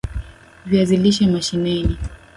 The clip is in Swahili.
viazi lishe mashineni